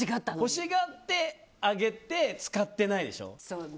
欲しがって、あげて使ってない、でしょ。